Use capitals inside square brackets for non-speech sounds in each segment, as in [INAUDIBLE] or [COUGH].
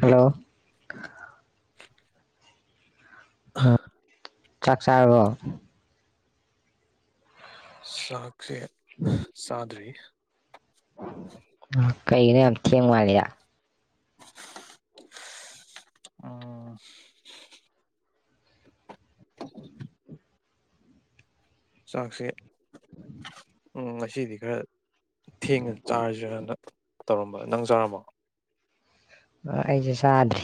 Hello ꯑ ꯆꯥꯛ ꯆꯥꯔꯕꯣ ꯁꯥꯥꯛ ꯁꯦ ꯆꯥꯗ꯭ꯔꯤ [INAUDIBLE] ꯀꯩꯒꯤꯅꯣ ꯌꯥꯝ ꯊꯦꯡꯕ ꯃꯥꯜꯂꯦꯗ ꯎꯝ [INAUDIBLE] ꯆꯥꯛꯁꯦ ꯎꯝ ꯉꯁꯤꯗꯤ ꯈꯔ ꯊꯦꯡꯅ ꯆꯥꯔꯖꯤꯔꯅ ꯇꯧꯔꯝꯕ ꯅꯪ ꯆꯥꯔꯕꯣ ꯑꯩꯁꯦ ꯆꯥꯗ꯭ꯔꯤ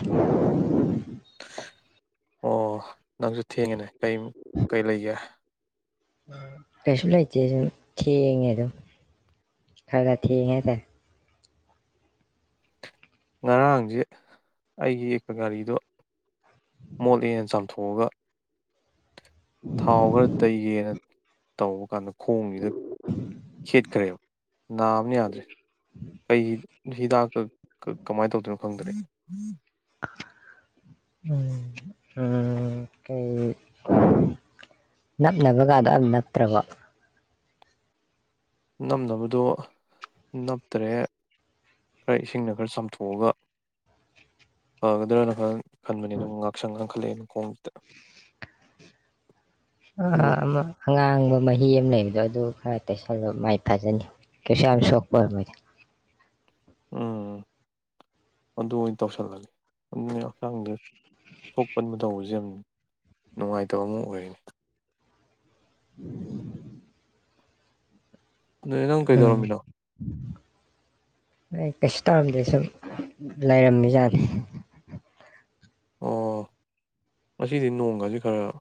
ꯑꯣ ꯅꯪꯁꯨ ꯊꯦꯡꯉꯦꯅꯦ꯫ ꯀꯩꯝ ꯀꯩ ꯂꯩꯒꯦ꯫ ꯀꯩꯁꯨ ꯂꯩꯇꯦ ꯊꯦꯡꯉꯩꯗ ꯈꯔ ꯊꯦꯡꯉꯩ ꯍꯥꯏꯇꯥꯔꯦ꯫ ꯉꯔꯥꯡꯁꯦ ꯑꯩꯒꯤ ꯒꯥꯔꯤꯗꯣ ꯃꯣꯠꯂꯦꯅ ꯆꯥꯝꯊꯣꯛꯑꯒ꯫ ꯊꯥꯎ ꯈꯔ ꯇꯥꯌꯦꯅ꯫ ꯇꯧꯕ ꯀꯥꯟꯗ ꯈꯣꯡꯁꯤꯗ ꯍꯦꯠꯈ꯭ꯔꯦꯕ ꯅꯥꯕꯅ ꯌꯥꯗ꯭ꯔꯦ ꯀꯩ ꯍꯤꯗꯥꯛꯀ ꯀꯃꯥꯏꯅ ꯇꯧꯗꯣꯏꯅꯣ ꯈꯪꯗ꯭ꯔꯦ꯫ ꯎꯝ ꯎ ꯀꯩ ꯅꯞꯅꯕꯒꯗꯣ ꯑꯝ ꯅꯞꯇ꯭ꯔꯕꯣ ꯅꯝꯅꯕꯗꯣ ꯅꯞꯇ꯭ꯔꯦ [UNINTELLIGIBLE] ꯏꯁꯤꯡꯅ ꯈꯔ ꯆꯥꯝꯊꯣꯛꯑꯒ ꯐꯒꯗ꯭ꯔꯅ ꯈ ꯈꯟꯕꯅꯤ ꯑꯗꯨꯕꯨ ꯉꯥꯛꯁꯪ ꯉꯥꯡꯈꯠꯂꯛꯑꯦ [UNINTELLIGIBLE] ꯑ ꯑ ꯑꯃ ꯑꯉꯥꯡꯕ ꯃꯍꯤ ꯑꯃ ꯂꯩꯕꯅꯦ꯫ ꯑꯗꯨ ꯈꯔ ꯇꯩꯁꯜꯂꯣ ꯃꯥꯏ ꯐꯥꯖꯅꯤ ꯀꯩꯁꯨ ꯌꯥꯝ ꯁꯣꯛꯄ [UNINTELLIGIBLE] ꯎꯝ ꯑꯗꯨ ꯑꯣꯏꯅ ꯇꯧꯁꯜꯂꯒꯦ [INAUDIBLE] ꯍꯛꯆꯥꯡꯗ ꯁꯣꯛꯄꯟꯕ ꯇꯧꯕꯖꯦ ꯌꯥꯝ ꯅꯨꯡꯉꯥꯏꯇꯕ ꯑꯃ ꯑꯣꯏꯔꯦꯅꯦ [INAUDIBLE] ꯅꯣꯏ ꯅꯪ ꯎꯝ ꯀꯩꯗꯧꯔꯝꯃꯤꯅꯣ [UNINTELLIGIBLE] ꯀꯩꯁꯨ ꯇꯧꯔꯝꯗꯦ ꯁꯨꯝ ꯂꯩꯔꯝꯃꯤꯖꯥꯠꯅꯤ ꯑꯣ ꯑꯁꯤꯗꯤ ꯅꯣꯡꯒꯥꯁꯤ ꯈꯔꯒꯔ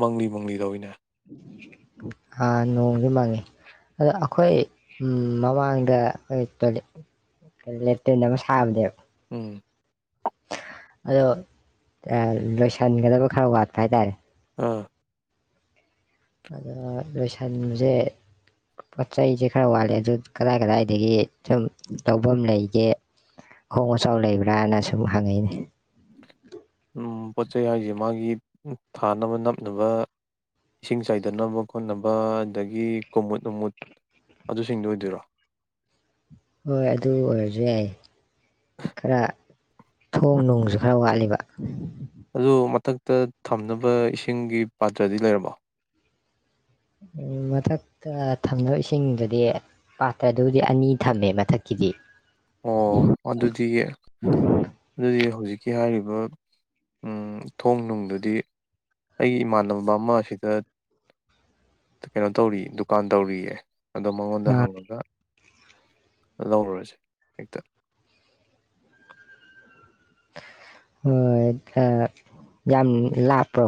ꯃꯪꯂꯤ ꯃꯪꯂꯤꯗꯧꯏꯅꯦ ꯑꯥ ꯅꯣꯡꯖꯨ ꯃꯪꯉꯤ ꯑꯗꯣ ꯑꯈꯣꯏ ꯎꯝ ꯃꯃꯥꯡꯗ ꯑ ꯇꯣꯏꯂꯦꯠ ꯂꯦꯇ꯭ꯔꯤꯟ ꯑꯃ ꯁꯥꯕꯅꯦ ꯎꯝ ꯑꯗꯣ ꯑ ꯂꯣꯏꯁꯟꯒꯗꯕ ꯈꯔ ꯋꯥꯠꯄ ꯍꯥꯏꯇꯥꯔꯦ ꯑ ꯑꯗꯣ ꯂꯣꯏꯁꯟꯕꯖꯦ ꯄꯣꯠ ꯆꯩꯖꯦ ꯈꯔ ꯋꯥꯠꯂꯦ ꯑꯗꯨ ꯀꯗꯥꯏ-ꯀꯗꯥꯏꯗꯒꯤ ꯁꯨꯝ ꯂꯧꯕꯝ ꯂꯩꯒꯦ ꯑꯍꯣꯡ ꯑꯆꯥꯎ ꯂꯩꯕ꯭ꯔꯥꯅ ꯁꯨꯝ ꯍꯪꯉꯩꯅꯦ ꯎꯝ ꯄꯣꯠ ꯆꯩ ꯍꯥꯏꯖꯦ ꯃꯥꯒꯤ ꯎ ꯊꯥꯅꯕ ꯅꯞꯅꯕ ꯏꯁꯤꯡ ꯆꯥꯏꯗꯅꯕ ꯈꯣꯠꯅꯕ ꯑꯗꯒꯤ ꯀꯨꯃꯨꯠ ꯅꯨꯡꯃꯨꯠ ꯑꯗꯨꯁꯤꯡꯗꯣ ꯑꯣꯏꯗꯣꯏꯔꯣ꯫ ꯍꯣꯏ ꯑꯗꯨ ꯑꯣꯏꯔꯖꯨ ꯌꯥꯏꯌꯦ ꯈꯔ ꯊꯣꯡ ꯅꯨꯡꯖꯨ ꯈꯔ ꯋꯥꯠꯂꯤꯕ ꯑꯗꯨ ꯃꯊꯛꯇ ꯊꯝꯅꯕ ꯏꯁꯤꯡꯒꯤ ꯄꯥꯇ꯭ꯔꯗꯤ ꯂꯩꯔꯕꯣ꯫ ꯎꯝ ꯃꯊꯛꯇ ꯊꯝꯅꯕ ꯏꯁꯤꯡꯗꯗꯤ ꯄꯥꯇꯗꯨꯕꯨꯗꯤ ꯑꯅꯤ ꯊꯝꯃꯦ ꯃꯊꯛꯀꯤꯗꯤ꯫ ꯑꯣ ꯑꯗꯨꯗꯤ ꯑꯗꯨꯗꯤ ꯍꯧꯖꯤꯛ ꯀꯤ ꯍꯥꯏꯔꯤꯕ ꯎꯝ ꯊꯣꯡ ꯅꯨꯡꯗꯨꯗꯤ ꯑꯩ ꯏꯃꯥꯟꯅꯕ [UNINTELLIGIBLE] [UNINTELLIGIBLE] ꯀꯩꯅꯣ ꯇꯧꯔꯤ ꯗꯨꯀꯥꯟ ꯇꯧꯔꯤꯌꯦ ꯑꯗꯣ ꯃꯉꯣꯟꯗ ꯑ, ꯍꯪꯉꯒ ꯂꯧꯔꯨꯔꯁꯦ ꯍꯦꯛꯇ ꯍꯣꯏ [UNINTELLIGIBLE] ꯌꯥꯝ ꯂꯥꯞꯄ꯭ꯔꯣ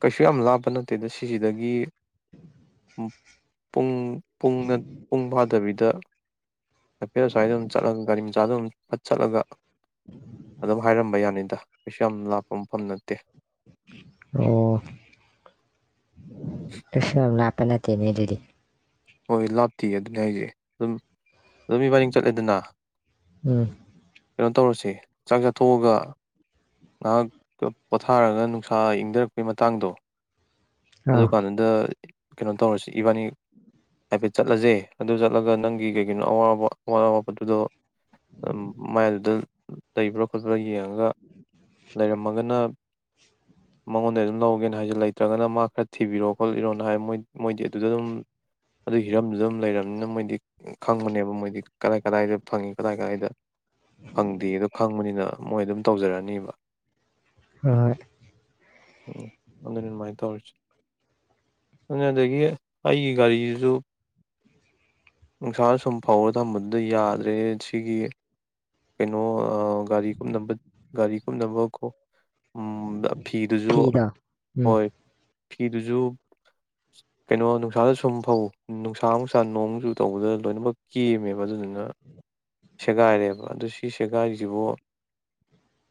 ꯀꯩꯁꯨ ꯌꯥꯝ ꯂꯥꯞꯄ ꯅꯠꯇꯦꯗ ꯁꯤꯖꯤꯗꯒꯤ ꯄꯨꯡ ꯄꯨꯡꯗ ꯄꯨꯡ ꯐꯥꯗꯕꯤꯗ ꯍꯥꯏꯐꯦꯠ ꯑꯁꯥꯏꯗ ꯑꯝ ꯆꯠꯂ ꯒꯥꯔꯤ ꯃꯆꯥꯗ ꯐꯠ ꯆꯠꯂꯒ ꯑꯗꯨꯝ ꯍꯥꯏꯔꯝꯕ ꯌꯥꯅꯤꯗꯥ ꯀꯩꯁꯨ ꯌꯥꯝ ꯂꯥꯞꯄ ꯃꯐꯝ ꯅꯠꯇꯦ ꯑꯣ ꯀꯩꯁꯨ ꯌꯥꯝ ꯂꯥꯞ ꯅꯠꯇꯦꯅꯦ ꯑꯗꯨꯗꯤ ꯍꯣꯏ ꯂꯥꯞꯇꯦ ꯑꯗꯨꯅꯤ ꯍꯥꯏꯖꯦ ꯗꯨꯝ ꯑꯗꯨꯝ ꯏꯕꯥꯟꯅꯤ ꯆꯠꯂꯦꯗꯅ ꯎꯝ [INAUDIBLE] ꯇꯧꯔꯁꯦ ꯆꯥꯛ ꯆꯥꯊꯣꯛꯑꯒ ꯉꯍꯥꯛ ꯀ ꯄꯣꯊꯥꯔꯒ ꯅꯨꯡꯁꯥ ꯏꯪꯗꯔꯛꯄꯩ ꯃꯇꯥꯡꯗꯣ ꯑꯗꯨ ꯑꯧ ꯀꯥꯟꯗ ꯀꯩꯅꯣ ꯇꯧꯔꯁꯤ ꯏꯕꯥꯅꯤ ꯍꯥꯏꯐꯦꯠ ꯆꯠꯂꯁꯦ ꯑꯗꯨ ꯆꯠꯂꯒ ꯅꯪꯒꯤ ꯀꯩꯀꯩꯅꯣ ꯑꯋꯥꯕ ꯑꯋꯥꯠ ꯑꯋꯥꯠꯄꯗꯨꯗꯣ ꯃꯥꯏꯗꯨꯗ [UNINTELLIGIBLE] ꯈꯣꯠꯄ꯭ꯔꯥ ꯌꯦꯡꯉꯒ ꯃꯉꯣꯟꯗ ꯑꯗꯨꯝ ꯂꯧꯒꯦꯅ ꯍꯥꯏꯁꯦ ꯂꯩꯇ꯭ꯔꯒꯅ ꯃꯥ ꯈꯔ ꯊꯤꯕꯤꯔꯣ ꯈꯣꯠꯂꯤꯔꯣꯅ [UNINTELLIGIBLE] ꯃꯣꯏꯗꯤ ꯑꯗꯨꯗ ꯑꯗꯨꯝ ꯑꯗꯨ ꯍꯤꯔꯝꯗꯨꯗ ꯑꯗꯨꯝ ꯂꯩꯔꯕꯅꯤꯅ ꯃꯣꯏꯗꯤ ꯈꯪꯕꯅꯦꯕ ꯃꯣꯏꯗꯤ ꯀꯗꯥꯏ ꯀꯗꯥꯏꯗ ꯐꯪꯉꯤ ꯀꯗꯥꯏ ꯀꯗꯥꯏꯗ ꯐꯪꯗꯦ ꯑꯗꯣ ꯈꯪꯕꯅꯤꯅ ꯃꯣꯏ ꯑꯗꯨꯝ ꯇꯧꯖꯔꯅꯤꯕ ꯑ ꯎꯝ ꯑꯗꯨꯅ ꯑꯗꯨꯃꯥꯏꯅ ꯇꯧꯔꯤꯁꯦ ꯑꯗꯨ ꯑꯗꯒꯤ ꯑꯩꯒꯤ ꯒꯥꯔꯤꯁꯨ ꯅꯨꯡꯁꯥ ꯁꯨꯝ ꯐꯧꯔ ꯊꯝꯕꯗꯨꯗ ꯌꯥꯗ꯭ꯔꯦ ꯁꯤꯒꯤ ꯀꯩꯅꯣ ꯒꯥꯔꯤ ꯀꯨꯞꯅꯕ ꯒꯥꯔꯤ ꯀꯨꯞꯅꯕꯀꯣ꯫ ꯎꯝ ꯐꯤꯗꯨꯁꯨ ꯐꯤꯗꯣ ꯎꯝ ꯍꯣꯏ꯫ ꯐꯤꯗꯨꯁꯨ ꯀꯩꯅꯣ ꯅꯨꯡꯁꯥꯗ ꯁꯨꯝ ꯐꯧ ꯅꯨꯡꯁꯥ ꯑꯃꯨꯛ ꯁꯥ ꯅꯣꯡ ꯑꯃꯨꯛ ꯆꯨ ꯇꯧꯕꯗ ꯂꯣꯏꯅꯃꯛ ꯀꯦꯝꯃꯦꯕ ꯑꯗꯨꯗꯨꯅ ꯁꯦꯒꯥꯏꯔꯦꯕ ꯑꯗꯨ ꯁꯤ ꯁꯦꯒꯥꯏꯔꯤꯁꯤꯕꯨ꯫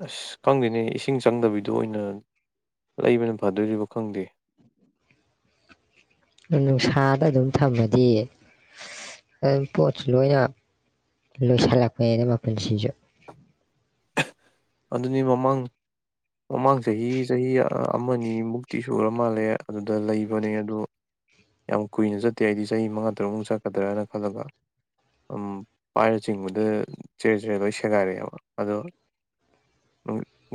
ꯑꯁ ꯈꯪꯗꯦꯅꯦ ꯏꯁꯤꯡ ꯆꯪꯗꯕꯤꯗ ꯑꯣꯏꯅ ꯂꯩꯕꯅ ꯐꯗꯣꯏꯔꯤꯕ ꯈꯪꯗꯦ꯫ ꯅꯨꯡꯁꯥꯗ ꯑꯗꯨꯝ ꯊꯝꯃꯗꯤ ꯑꯗꯨꯝ ꯄꯣꯠꯁꯨ ꯂꯣꯏꯅ ꯂꯣꯏꯁꯤꯜꯂꯛꯄꯅꯦꯅ ꯃꯄꯨꯟꯁꯤꯁꯨ꯫ ꯑꯗꯨꯅꯤ ꯃꯃꯥꯡ ꯃꯃꯥꯡ ꯆꯍꯤ ꯆꯍꯤ ꯑꯃꯅꯤ ꯑꯅꯤꯃꯨꯛꯇꯤ ꯁꯨꯔ ꯃꯥꯜꯂꯦ ꯑꯗꯨꯗ ꯂꯩꯕꯅꯦ ꯑꯗꯨ ꯌꯥꯝ ꯀꯨꯏꯅ ꯆꯠꯇꯦ ꯑꯩꯗꯤ ꯆꯍꯤ ꯃꯉꯥ ꯇꯔꯨꯛꯃꯨꯛ ꯆꯠꯀꯗ꯭ꯔꯅ ꯈꯜꯂꯒ ꯑꯗꯨꯝ ꯄꯥꯏꯔ ꯆꯤꯡꯕꯗ ꯆꯦꯔꯦ ꯆꯦꯔꯦ ꯂꯣꯏ ꯁꯦꯒꯥꯏꯔꯛꯑꯦꯕ ꯑꯗꯣ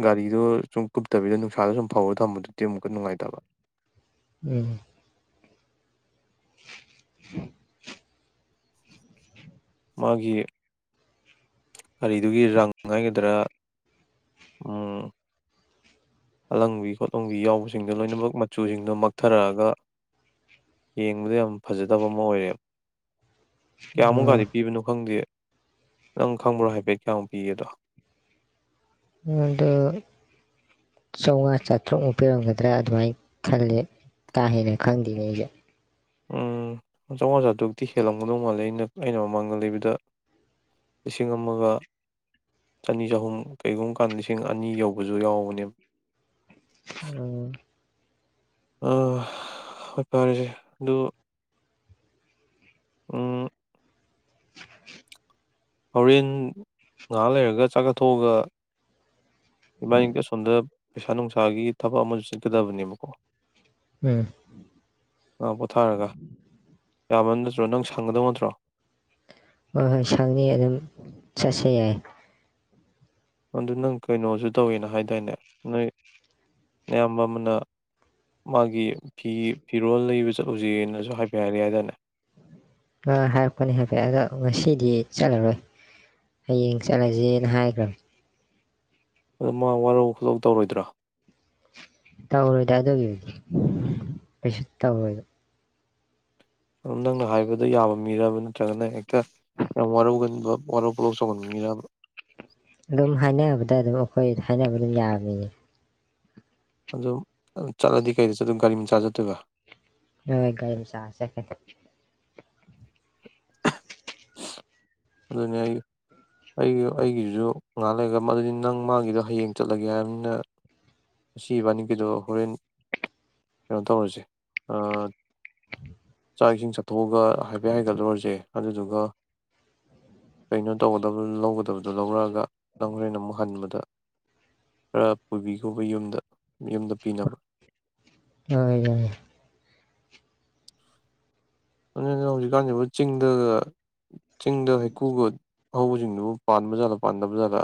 ꯒꯥꯔꯤꯗꯣ ꯁꯨꯝ ꯀꯨꯞꯇꯕꯤꯗ ꯅꯨꯡꯁꯥꯗ ꯁꯨꯝ ꯐꯥꯎꯔ ꯊꯝꯕꯗꯨꯗꯤ ꯑꯃꯨꯛꯀ ꯅꯨꯡꯉꯥꯏꯇꯕ꯫ ꯎꯝ [INAUDIBLE] ꯃꯥꯒꯤ ꯒꯥꯔꯤꯗꯨꯒꯤ ꯔꯪ ꯍꯥꯏꯒꯗ꯭ꯔꯥ ꯑꯂꯪꯕꯤ ꯈꯣꯠꯂꯪꯕꯤ ꯌꯥꯎꯕꯁꯤꯡꯗꯣ ꯂꯣꯏꯅꯃꯛ ꯃꯆꯨꯁꯤꯡꯗꯣ ꯃꯛꯊꯔꯛꯑꯒ ꯌꯦꯡꯕꯗ ꯌꯥꯝ ꯐꯖꯗꯕ ꯑꯃ ꯑꯣꯏꯔꯦꯕ ꯀꯌꯥꯃꯨꯛ ꯀꯗꯤ ꯑꯣ ꯄꯤꯕꯅꯣ ꯈꯪꯗꯦ ꯅꯪ ꯈꯪꯕ꯭ꯔꯣ ꯍꯥꯏꯐꯦꯠ ꯀꯌꯥ ꯄꯤꯒꯦꯗꯣ ꯑꯗꯨ ꯆꯥꯝꯉꯥ ꯆꯥꯇ꯭ꯔꯨꯛꯃꯨꯛ ꯄꯤꯔꯝꯒꯗ꯭ꯔꯥ ꯑꯗꯨꯃꯥꯏꯅ ꯈꯜꯂꯦ ꯀꯥꯍꯦꯟꯅ ꯈꯪꯗꯦꯅꯦ ꯑꯩꯗꯤ꯫ ꯎꯝ ꯆꯥꯝꯉꯥ ꯆꯥꯇ꯭ꯔꯨꯛꯇꯤ ꯍꯦꯜꯂꯝꯒꯗꯧ ꯃꯥꯜꯂꯦ ꯑꯩꯅ ꯑꯩꯅ ꯃꯃꯥꯡꯗ ꯂꯩꯕꯗ ꯂꯤꯁꯤꯡ ꯑꯃꯒ ꯆꯅꯤ ꯆꯍꯨꯝ ꯀꯩꯒꯨꯝꯕ ꯀꯥꯟꯗ ꯂꯤꯁꯤꯡ ꯑꯅꯤ ꯌꯧꯕꯁꯨ ꯌꯥꯎꯕꯅꯦꯕ ꯎꯝ ꯑꯥ ꯍꯣꯏ ꯐꯔꯦꯁꯦ ꯑꯗꯨ ꯑꯥ ꯍꯣꯔꯦꯟ ꯉꯥꯏꯍꯥꯛ ꯂꯩꯔꯒ ꯆꯥꯛ ꯆꯥꯊꯣꯛꯑꯒ ꯏꯕꯥꯟꯅꯤꯗꯤ ꯑꯁꯣꯝꯗ ꯄꯩꯁꯥ ꯅꯨꯡꯁꯥꯒꯤ ꯊꯕꯛ ꯑꯃꯁꯨ ꯆꯠꯀꯗꯕꯅꯦꯕꯀꯣ꯫ ꯎꯝ ꯉꯥꯏꯍꯛ ꯄꯣꯊꯔꯒ ꯌꯥꯕ ꯅꯠꯇ꯭ꯔꯣ ꯅꯪ ꯁꯪꯒꯗꯧ ꯅꯠꯇ꯭ꯔꯣ꯫ ꯍꯣꯏ ꯍꯣꯏ ꯁꯪꯅꯤꯌꯦ ꯑꯗꯨꯝ ꯆꯠꯁꯦ ꯌꯥꯏ꯫ ꯑꯗꯨ ꯅꯪ ꯀꯩꯅꯣꯁꯨ ꯇꯧꯏꯅ ꯍꯥꯏꯗꯥꯏꯅꯦ ꯅꯣꯏ ꯑꯌꯥꯝꯕ ꯑꯃꯅ ꯃꯥꯒꯤ ꯐꯤ ꯐꯤꯔꯣꯜ ꯂꯩꯕ ꯆꯠꯂꯨꯁꯅꯁꯨ ꯍꯥꯏꯐꯠ ꯍꯥꯏꯔꯛꯏ ꯍꯥꯏꯗꯥꯏꯅꯦ꯫ ꯅꯍꯥꯟ ꯍꯥꯏꯔꯛꯄꯅꯤ ꯍꯥꯏꯐꯦ ꯑꯗꯣ ꯉꯁꯤꯗꯤ ꯆꯠꯂꯔꯣꯏ ꯍꯌꯦꯡ ꯆꯠꯂꯁꯦꯅ ꯍꯥꯏꯈ꯭ꯔꯝꯅꯤ꯫ ꯑꯗꯨ ꯃꯥ ꯋꯥꯔꯧ ꯄꯨꯂꯧ ꯇꯧꯔꯣꯏꯗ꯭ꯔꯣ꯫ ꯇꯧꯔꯣꯏꯗ ꯑꯗꯨꯒꯤꯕꯨꯗꯤ ꯀꯩꯁꯨ ꯇꯧꯔꯣꯏꯕ꯫ ꯑꯗꯨꯝ ꯅꯪꯅ ꯍꯥꯏꯕꯗ ꯌꯥꯕ ꯃꯤꯔꯕ ꯅꯠꯇ꯭ꯔꯒꯅ ꯍꯦꯛꯇ ꯌꯥꯝ ꯋꯥꯔꯧꯒꯟꯕ ꯋꯥꯔꯧ ꯄꯨꯂꯧ ꯆꯥꯎꯒꯟꯕ ꯃꯤꯔꯕ꯫ ꯑꯗꯨꯝ ꯍꯥꯏꯅꯕꯗ ꯑꯗꯨꯝ ꯑꯩꯈꯣꯏ ꯍꯥꯏꯅꯕ ꯑꯗꯨꯝ ꯌꯥꯕꯅꯦꯃꯤ꯫ ꯑꯗ ꯆꯠꯂꯗꯤ ꯀꯩꯗ ꯆꯠꯇꯣꯏꯕ ꯒꯥꯔꯤ ꯃꯆꯥ ꯆꯠꯇꯣꯏꯕ꯫ ꯍꯣꯏ ꯒꯥꯔꯤ ꯃꯆꯥꯗ ꯆꯠꯀꯅꯤ꯫ ꯑꯗꯨꯅꯤ ꯑꯩ ꯑꯩꯒꯤ ꯑꯩꯒꯤꯗꯨꯁꯨ ꯉꯥꯏꯍꯥꯛ ꯂꯩꯒ ꯑꯗꯨꯅꯤ ꯅꯪ ꯃꯥꯒꯤꯗꯣ ꯍꯌꯦꯡ ꯆꯠꯂꯒꯦ ꯍꯥꯏꯕꯅꯤꯅ ꯉꯁꯤ ꯏꯕꯥꯅꯤꯒꯤꯗꯣ ꯍꯣꯔꯦꯟ ꯀꯩꯅꯣ ꯇꯧꯔꯁꯦ ꯆꯥꯛ ꯏꯁꯤꯡ ꯆꯥꯊꯣꯛꯑꯒ ꯍꯥꯏꯐꯦ ꯍꯥꯏꯒꯠꯂꯨꯔꯁꯦ꯫ ꯑꯗꯨ [UNINTELLIGIBLE] ꯀꯩꯅꯣ ꯇꯧꯒꯗꯕ ꯂꯧꯒꯗꯕꯗꯣ ꯂꯧꯔꯛꯑꯒ ꯅꯪ ꯍꯣꯔꯦꯟ ꯑꯃꯨꯛ ꯍꯟꯕꯗ ꯈꯔ ꯄꯨꯕꯤꯒꯣꯕ ꯌꯨꯝꯗ ꯌꯨꯝꯗ ꯄꯤꯅꯕ꯫ ꯍꯣꯏ ꯌꯥꯏ ꯑꯗꯨꯅ ꯍꯧꯖꯤꯛꯀꯥꯟꯖꯤꯕꯨ ꯆꯤꯡꯗꯥꯒ ꯆꯤꯡꯗ ꯍꯩꯀꯨꯒ ꯍꯧꯕꯖꯤꯡꯗꯨꯕꯨ ꯄꯥꯟꯕ ꯖꯥꯂꯥ ꯄꯥꯟꯗꯕ ꯖꯥꯂꯥ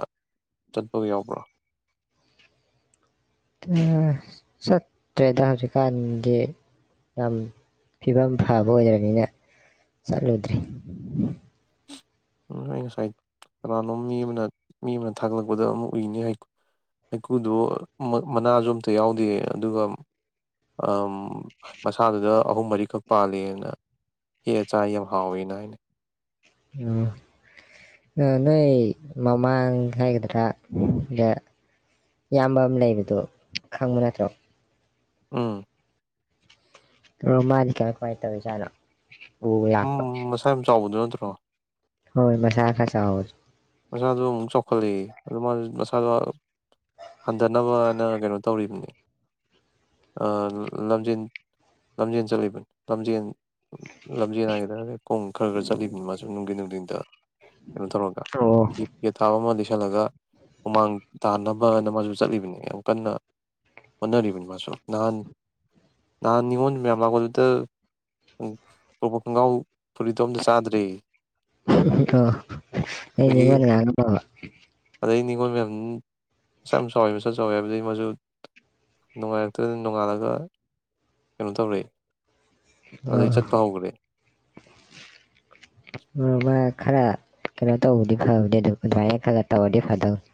ꯆꯠꯄꯒ ꯌꯥꯎꯕ꯭ꯔꯣ ꯑꯥ ꯆꯠꯇ꯭ꯔꯦꯗ ꯍꯧꯖꯤꯛꯀꯥꯟꯗꯤ ꯌꯥꯝ ꯐꯤꯕꯝ ꯐꯥꯕ ꯑꯣꯏꯗꯔꯕꯅꯤꯅ ꯆꯠꯂꯨꯗ꯭ꯔꯦ ꯎꯝ ꯑꯩ ꯉꯁꯥꯏ ꯀꯅꯥꯅꯣꯝ ꯃꯤ ꯑꯃꯅ ꯃꯤ ꯑꯃꯅ ꯊꯥꯒꯠꯂꯛꯄꯗ ꯑꯃꯥ ꯎꯨꯏꯅꯤ ꯍꯩ ꯍꯩꯀꯨꯗꯨ ꯃꯅꯥꯖꯨ ꯑꯝꯇ ꯌꯥꯎꯗꯦ ꯑꯗꯨꯒ ꯃꯁꯥꯗꯨꯗ ꯑꯍꯨꯝ ꯃꯔꯤꯈꯛ ꯄꯥꯜꯂꯦꯅ ꯍꯦꯛꯑꯚꯥ ꯆꯥꯥꯏ ꯌꯥꯝ ꯍꯥꯎꯌꯦꯅ ꯍꯥꯏꯅꯦ ꯎꯝ ꯅꯣꯏ ꯃꯃꯥꯡ ꯍꯥꯏꯒꯗ꯭ꯔꯥ ꯏꯌꯥꯝꯕ ꯑꯃ ꯂꯩꯕꯗꯣ ꯈꯪꯕ ꯅꯠꯇ꯭ꯔꯣ ꯎꯝ ꯔꯣ ꯃꯥꯗꯤ ꯀꯃꯥꯏ ꯀꯃꯥꯏ ꯇꯧꯔꯤꯖꯅꯣ ꯎꯝ ꯃꯁꯥ ꯌꯥꯝ ꯆꯥꯎꯕꯗꯨꯅꯠ ꯇ꯭ꯔꯣ ꯍꯣꯏ ꯃꯁꯥ ꯈꯔꯥ ꯆꯥꯎꯕꯥꯗꯨ ꯃꯁꯥꯗꯣ ꯑꯃꯨꯛ ꯆꯥꯎꯈꯠꯂꯦ ꯑꯗꯣ ꯃꯁꯥꯗꯣ ꯍꯟꯗꯅꯕꯅ ꯀꯩꯅꯣ ꯇꯧꯔꯤꯕꯅꯤ ꯑꯥ ꯂꯝꯖꯦꯟ ꯂꯝꯖꯦꯟ ꯆꯠꯂꯤꯕꯅꯤ ꯂꯝꯖꯦꯟ ꯂꯝꯖꯦꯜ ꯍꯥꯏꯒꯗꯔꯥ ꯈꯣꯡꯅꯥ ꯈ ꯈꯔ ꯆꯠꯂꯤꯕꯅꯤ ꯃꯥꯖꯨ ꯅꯨꯡꯊꯤꯟ ꯅꯨꯡꯊꯤꯟꯗ ꯀꯩꯅꯣ ꯇꯧꯔꯒ ꯑꯣ ꯄꯤ ꯄꯦꯠ ꯊꯥꯎ ꯑꯃꯥ ꯂꯤꯠꯁꯜꯂꯒ ꯍꯨꯃꯥꯡ ꯇꯥꯅꯕꯅ ꯃꯥꯖꯨ ꯆꯠꯂꯤꯕꯅꯦ ꯌꯥꯝ ꯀꯟꯅ ꯍꯣꯠꯅꯔꯤꯕꯅꯤ ꯃꯥꯁꯨ ꯅꯍꯥꯟ ꯅꯍꯥꯟ ꯅꯤꯉꯣꯟ ꯃꯌꯥꯝ ꯂꯥꯛꯄꯗꯨꯗ ꯎꯝ ꯄꯣꯔꯛꯄ ꯈꯪꯒ꯭ꯔꯥꯎ ꯑꯣ ꯑꯩ ꯑꯗꯒꯤ ꯅꯤꯡꯉꯣꯟ ꯉꯥꯡ [INAUDIBLE] ꯑꯗꯩ ꯅꯤꯡꯉꯣꯜ ꯃꯌꯥꯝ ꯃꯁꯥ ꯌꯥꯝ ꯆꯥꯎꯌꯦ ꯃꯁꯥ ꯆꯥꯎꯌꯦ ꯍꯥꯏꯕꯗꯩ ꯃꯁꯨ ꯅꯨꯡꯉꯥꯜꯔꯛꯇꯗꯥꯅꯥ ꯅꯣꯡꯉꯥꯜꯂꯒ ꯀꯩꯅꯣ ꯇꯧꯔꯦ ꯑꯗꯩ ꯆꯠꯄ ꯍꯧꯒꯔꯦ ꯎꯝ ꯃꯥ ꯈꯔꯥ ꯀꯩꯅꯣ ꯇꯧꯕꯗꯤ ꯐꯕꯅꯦ ꯑꯗꯨ ꯑꯗꯨꯃꯥꯏꯅ ꯈꯔꯒ ꯇꯧꯔꯗꯤ ꯐꯗꯧꯅꯤ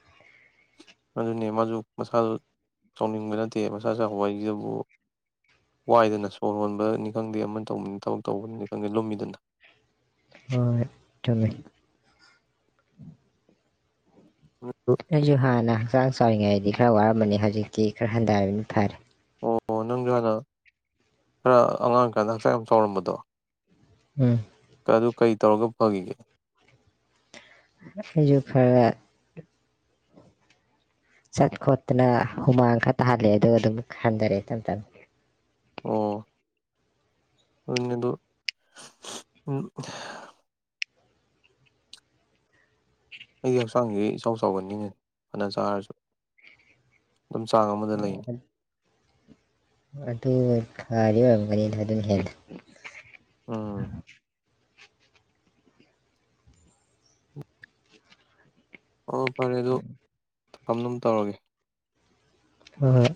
ꯑꯗꯨꯅꯦ ꯃꯥꯖꯨ ꯃꯁꯥꯁꯨ ꯆꯥꯎꯅꯤꯡꯕ ꯅꯠꯇꯦ ꯃꯁꯥ ꯆꯧꯕ ꯍꯥꯏꯁꯤꯗꯨꯕꯨ ꯋꯥꯏꯗꯅ ꯁꯣꯔ ꯍꯣꯟꯕꯅꯤ ꯈꯪꯗꯦ ꯑꯃ ꯇꯧꯕꯅꯤ ꯊꯕꯛ ꯇꯧꯕꯗꯅꯤ ꯈꯪꯗꯦ ꯂꯨꯝꯃꯤꯗꯅ ꯍꯣꯏ ꯆꯨꯝꯃꯤ ꯑꯩꯗꯖꯨ ꯍꯥꯟꯅ ꯍꯛꯆꯥꯡ ꯆꯥꯎꯔꯤꯉꯩꯗꯤ ꯈꯔ ꯋꯥꯔ ꯃꯅꯤ ꯍꯧꯖꯤꯛꯇꯤ ꯈꯔ ꯍꯟꯗꯔꯕꯅꯤ ꯐꯔꯦ ꯑꯣ ꯅꯪꯖꯨ ꯍꯥꯟꯅ ꯈꯔ ꯑꯉꯥꯡ ꯑꯣꯏꯔꯤꯀꯥꯟꯗ ꯍꯛꯆꯥꯡ ꯌꯥꯝ ꯆꯥꯎꯔꯝꯕꯗꯣ ꯎꯝ ꯑꯗꯨ ꯀꯩ ꯇꯧꯔꯒ ꯐꯒꯤꯒꯦ ꯑꯩꯖꯨ ꯈꯔꯒꯥ ꯆꯠ ꯈꯣꯠꯇꯅ ꯍꯨꯃꯥꯡ ꯈꯔ ꯇꯥꯍꯜꯂꯦ ꯑꯗꯨꯒ ꯑꯗꯨꯝ ꯍꯟꯗꯔꯦ ꯏꯝ ꯇꯝ ꯑꯣ ꯑꯗꯨꯅꯦ ꯑꯗꯨ ꯎꯝ ꯑꯩꯗꯤ ꯍꯛꯆꯥꯡꯖꯦ ꯏꯆꯥꯎ ꯆꯥꯎꯒꯟꯗꯦꯅꯦ ꯐꯅ ꯆꯥꯔꯁꯨ ꯗꯨꯝ ꯆꯥꯡ ꯑꯃꯗ ꯂꯩꯅꯤ ꯑꯗꯨ ꯐꯔꯤ ꯑꯣꯏꯔꯝꯒꯅꯤꯗ ꯑꯗꯨꯅ ꯍꯦꯟꯅ ꯎꯝ ꯑꯣ ꯐꯔꯦ ꯑꯗꯨ ꯊꯝ ꯅꯕ ꯇꯧꯔꯒꯦ ꯍꯣ ꯍꯣꯏ